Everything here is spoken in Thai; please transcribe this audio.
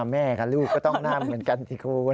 แม่กับลูกก็ต้องหน้าเหมือนกันสิคุณ